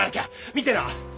見てな！